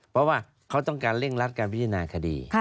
เพราะว่าเขาต้องการเร่งรัดการพิจารณาคดี